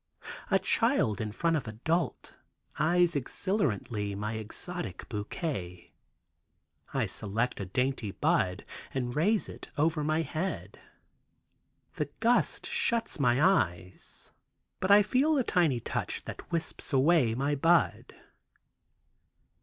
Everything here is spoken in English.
A child in front of adult, eyes exhilarantly my exotic bouquet. I select a dainty bud, and raise it over my head. The gust shuts my eyes. But I feel a tiny touch that wisps away my bud.